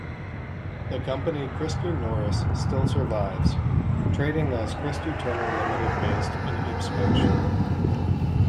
The Company Christy Norris still survives, trading as Christy Turner Limited based in Ipswich.